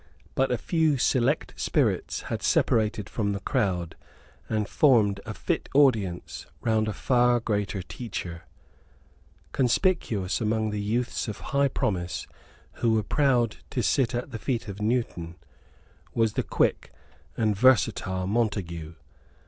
But a few select spirits had separated from the crowd, and formed a fit audience round a far greater teacher. Conspicuous among the youths of high promise who were proud to sit at the feet of Newton was the quick and versatile Montague.